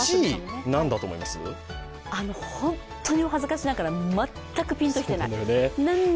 本当に恥ずかしながら全くピンときていない。